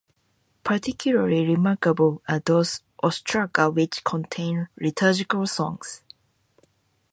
Particularly remarkable are those ostraca which contain liturgical songs.